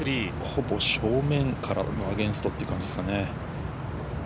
ほぼ正面からのアゲンストって感じですかね。